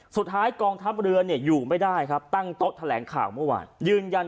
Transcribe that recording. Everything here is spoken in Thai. สุดท้ายกองทัพเรืออยู่ไม่ได้ตั้งโต๊ะแถลงข่าวเมื่อวาน